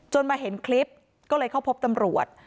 มาเห็นคลิปก็เลยเข้าพบตำรวจ